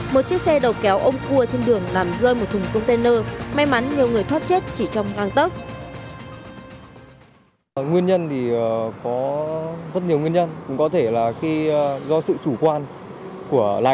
một chiếc xe đầu kéo ôm cua trên đường làm rơi một thùng container